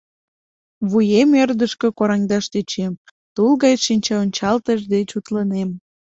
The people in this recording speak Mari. Вуем ӧрдыжкӧ кораҥдаш тӧчем, тул гай шинчаончалтыш деч утлынем.